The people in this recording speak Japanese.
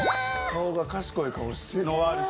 顔が賢い顔してる。